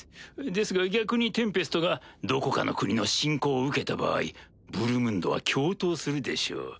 ですが逆にテンペストがどこかの国の侵攻を受けた場合ブルムンドは共闘するでしょう。